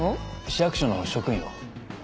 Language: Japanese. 市役所の職員を。